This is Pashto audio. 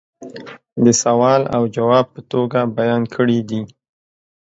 دسوال او جواب په توگه بیان کړي دي